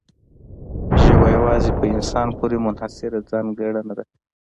ژبه یوازې په انسان پورې منحصره ځانګړنه ده.